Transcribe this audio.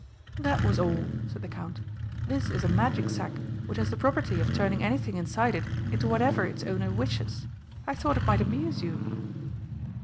"That was all," said the Count. "This is a magic sack which has the property of turning anything inside it into whatever its owner wishes. I thought it might amuse you."